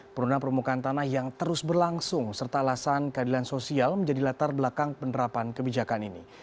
perundangan permukaan tanah yang terus berlangsung serta alasan keadilan sosial menjadi latar belakang penerapan kebijakan ini